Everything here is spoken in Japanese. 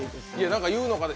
何か言うのかなと。